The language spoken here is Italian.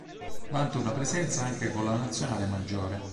Vanta una presenza anche con la nazionale maggiore.